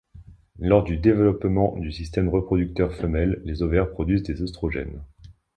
Lors du développement du système reproducteur femelle les ovaires produisent des œstrogènes.